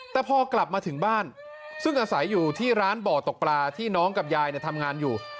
แต่พอกลับมาถึงบ้านซึ่งอาศัยอยู่ที่ร้านบ่อตกปลาที่น้องกับยายทำงานอยู่